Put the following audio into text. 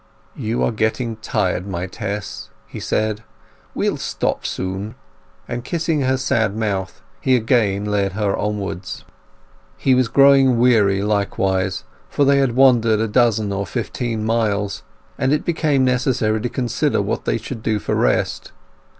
"You are getting tired, my Tess!" he said. "We'll stop soon." And kissing her sad mouth, he again led her onwards. He was growing weary likewise, for they had wandered a dozen or fifteen miles, and it became necessary to consider what they should do for rest.